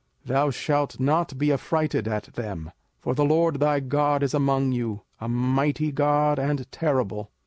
05:007:021 Thou shalt not be affrighted at them: for the LORD thy God is among you, a mighty God and terrible.